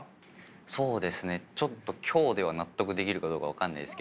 そうですねちょっと今日では納得できるかどうか分かんないですけど。